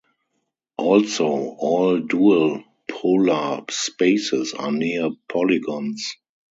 Also, all dual polar spaces are near polygons.